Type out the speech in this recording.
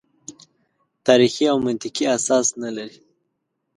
تاریخي او منطقي اساس نه لري.